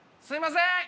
すいません。